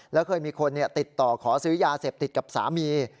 แล้วเคยมีคนติดต่อขอซื้อยาเสพติดกับสามี